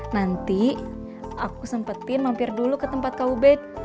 nanti aku sempetin mampir dulu ke tempat kub